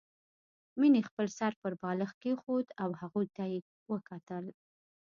مينې خپل سر پر بالښت کېښود او هغوی ته يې وکتل